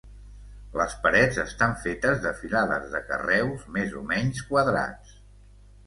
Les parets estan fetes de filades de carreus més o menys quadrats.